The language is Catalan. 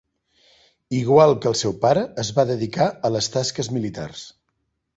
Igual que el seu pare, es va dedicar a les tasques militars.